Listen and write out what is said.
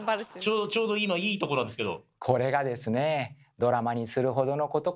ちょうど今いいとこなんですけど。